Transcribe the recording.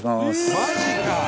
「マジか！」